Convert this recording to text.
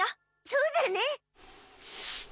そうだね。